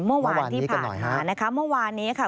เมื่อวานที่ผ่านมานะคะเมื่อวานนี้ค่ะ